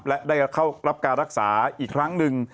และได้เข้ารับการรักษาอีกครั้งหนึ่ง